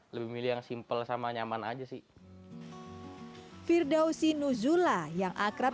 lebih milih yang simple sama nyaman aja sih firdausin nuzula yang akrab